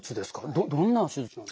どんな手術なんでしょう？